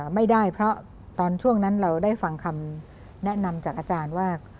ไม่ได้เพราะตอนช่วงนั้นเราได้ฟังคำแนะนำจากอาจารย์ว่า